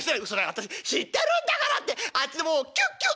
私知ってるんだから！』ってあっちのももをキュッキュッ！